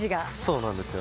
そうなんですよ。